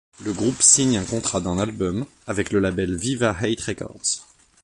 Le groupe signe un contrat d'un album avec le label Viva Hate Records.